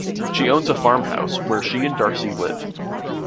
She owns a farm house where she and Darcy live.